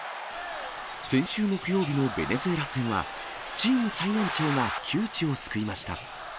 先週木曜日のベネズエラ戦は、チーム最年長が窮地を救いました。